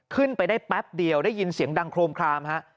ขึ้นไปได้แป๊บเดียวได้ยินเสียงดังโครมคลามฮะ